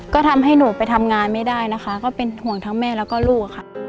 ก็ทำให้หนูไปทำงานไม่ได้นะคะก็เป็นห่วงทั้งแม่แล้วก็ลูกค่ะ